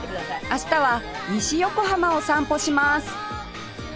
明日は西横浜を散歩します